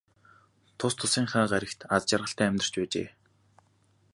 Тус тусынхаа гаригт аз жаргалтай амьдарч байжээ.